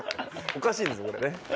おかしいんですこれね。